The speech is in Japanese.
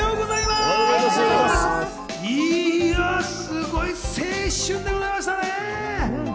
すごい青春でございましたね。